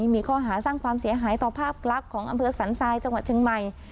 มีข้อหาสร้างความเสียหายต่อภาพลักษณ์ของอำเภอสันทรายจังหวัดเชียงใหม่